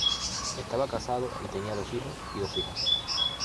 Estaba casado y tenía dos hijos y dos hijas.